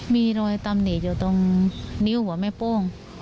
มีรอยตำหนิอยู่ตรงนิ้วหัวแม่โป้ง